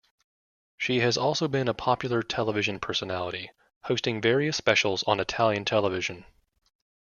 She has also been a popular television personality, hosting various specials on Italian television.